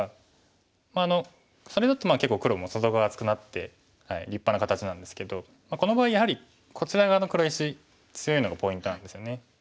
それだと結構黒も外側厚くなって立派な形なんですけどこの場合やはりこちら側の黒石強いのがポイントなんですよね。